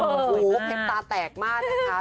โอ้โหเพชรตาแตกมากนะคะ